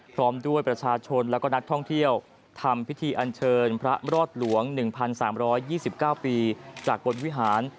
พร้อมด้วยประชาชนและก็นักท่องเที่ยวทำพิธีอันเชิญพระรอดหลวง๑๓๒๙ปีจากบนวิหาร